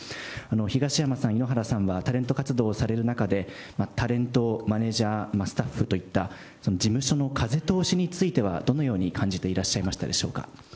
東山さん、井ノ原さんは、タレント活動をされる中で、タレント、マネージャー、スタッフといった事務所の風通しについては、どのように感じていらっしゃいましたでしょうか。